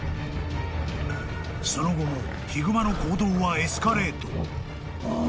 ［その後もヒグマの行動はエスカレート］